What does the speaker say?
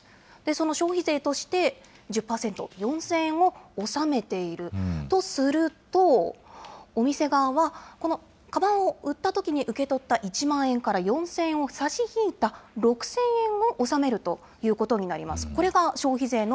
その消費税として１０％、４０００円を納めているとすると、お店側は、このかばんを売ったときに受け取った１万円から４０００円を差し引いた６０００円を納めるということになります。